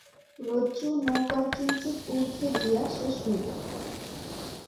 রজ্জু নৌকার কিঞ্চিৎ ঊর্ধে গিয়া শেষ হইল।